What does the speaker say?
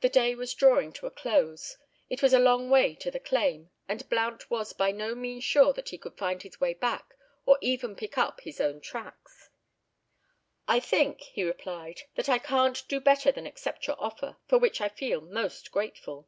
The day was drawing to a close. It was a long way to the claim, and Blount was by no means sure that he could find his way back or even pick up his own tracks. "I think," he replied, "that I can't do better than accept your offer, for which I feel most grateful."